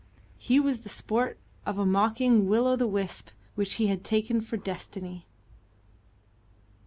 He was the sport of a mocking Will o' the Wisp which he had taken for Destiny.